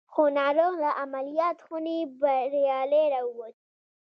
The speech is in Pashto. خو ناروغ له عملیات خونې بریالی را وووت